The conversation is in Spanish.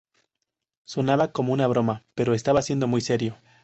Sonaba como broma, pero estaba siendo muy serio.